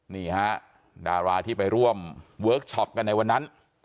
นี่ฮะดาราที่ไปร่วมเวิร์คชอปกันในวันนั้น